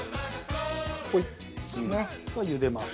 茹でます。